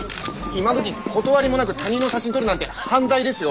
今どき断りもなく他人の写真撮るなんて犯罪ですよ。